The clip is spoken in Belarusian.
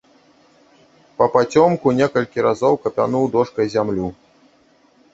Папацёмку некалькі разоў капянуў дошкай зямлю.